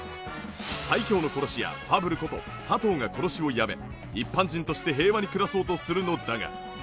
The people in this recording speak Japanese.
最強の殺し屋ファブルこと佐藤が殺しをやめ一般人として平和に暮らそうとするのだが。